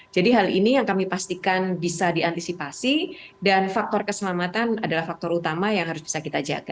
jadi hal ini yang kami pastikan bisa diantisipasi dan faktor keselamatan adalah faktor utama yang harus bisa kita jaga